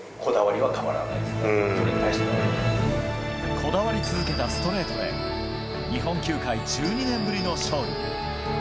こだわり続けたストレートで日本球界１２年ぶりの勝利。